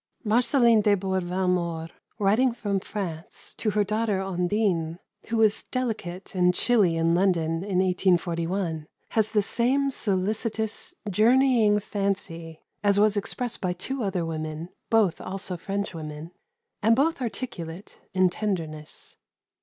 Marceline Desbordes Valmore, writing from France to her daughter Ondine, who was delicate and chilly in London in 1841, has the same solicitous, journeying fancy as was expressed by two other women, both also Frenchwomen, and both articulate in tenderness.